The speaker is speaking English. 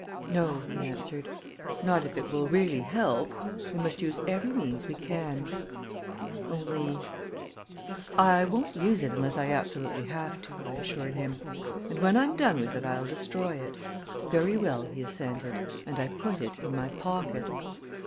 "No," he answered; "not if it will really help; we must use every means we can. Only " "I won't use it unless I absolutely have to," I assured him; "and when I'm done with it, I'll destroy it." "Very well," he assented, and I put it in my pocket.